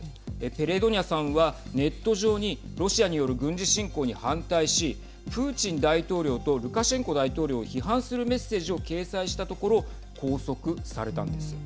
ペレドニャさんはネット上にロシアによる軍事侵攻に反対しプーチン大統領とルカシェンコ大統領を批判するメッセージを掲載したところ拘束されたんです。